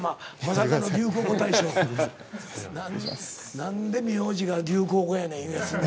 何で名字が流行語やねんいうやつね。